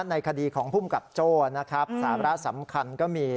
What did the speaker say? ในคดีของภูมิกับโจ้นะครับสาระสำคัญก็มี